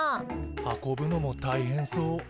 運ぶのも大変そう。